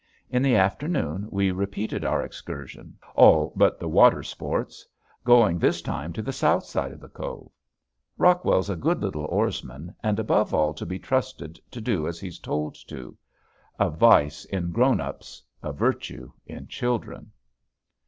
In the afternoon we repeated our excursion all but the water sports going this time to the south side of the cove. Rockwell's a good little oarsman and above all to be trusted to do as he's told to a vice in grown ups, a virtue in children.